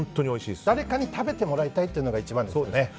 誰かに食べてもらいたいのが一番ですね。